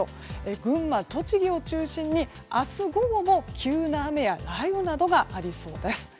群馬や栃木を中心に明日午後も急な雨や雷雨などがありそうです。